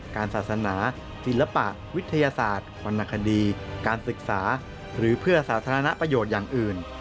การศาสนาศิลปะวิทยาศาสตร์วรรณคดีการศึกษาหรือเพื่อสาธารณประโยชน์อย่างอื่น